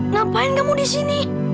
ngapain kamu disini